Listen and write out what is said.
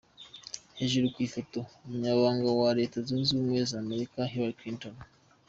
Hejuru ku ifoto:Umunyamabanga wa Leta zunze ubumwe z’Amerika Hillary Cliton.